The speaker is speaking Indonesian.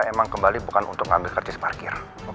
gue emang kembali bukan untuk ngambil kerja separkir